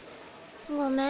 ごめん。